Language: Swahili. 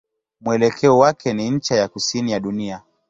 Mwelekeo wake ni ncha ya kusini ya dunia.